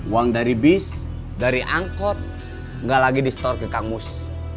uang dari bis dari angkot nggak lagi di store ke kamus